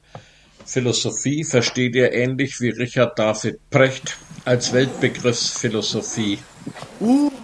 Philosophie versteht er ähnlich wie Richard David Precht als Weltbegriffsphilosophie.